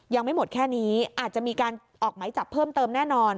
ยังไม่หมดแค่นี้อาจจะมีการออกไหมจับเพิ่มเติมแน่นอน